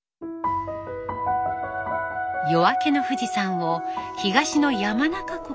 夜明けの富士山を東の山中湖から狙うか